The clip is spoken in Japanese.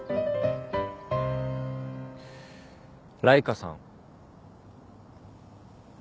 ライカさん。